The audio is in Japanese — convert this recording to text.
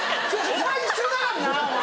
お前一緒だからなお前。